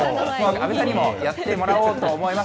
阿部さんにもやってもらおうと思います。